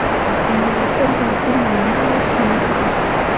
Bõo ɓo te ba teli mamu ciira.